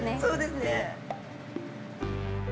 そうですね。